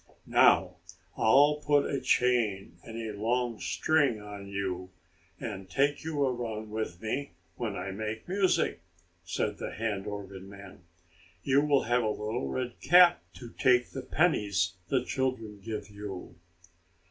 "Now I'll put a chain and a long string on you, and take you around with me when I make music," said the hand organ man. "You will have a little red cap to take the pennies the children give you."